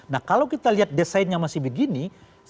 nah kalau kita lihat desainnya masih begini